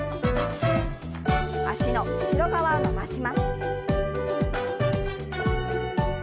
脚の後ろ側を伸ばします。